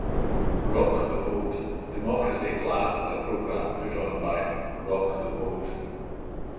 Rock the Vote: Democracy Class is a program put on by Rock the Vote.